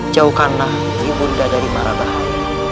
jauhkanlah ibu nda dari marabahan